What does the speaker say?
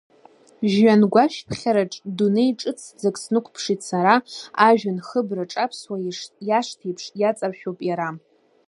Жәҩангәашәԥхьараҿдунеи ҿыцӡак снықәԥшит сара, ажәҩан хыбраҿаԥсуа иашҭеиԥш иаҵаршәуп иара.